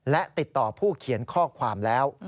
และติดต่อผู้เขียนข้อความแล้ว